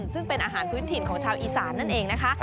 ซึ่งเป็นอาหารพื้นถิ่นของชาวอีสานนั่นเองนะคะ